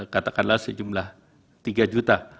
katakanlah sejumlah tiga juta